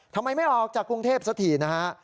ทำไมไม่ออกจากกรุงเทพสักทีนะฮะ